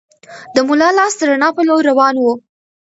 د ملا لاس د رڼا په لور روان و.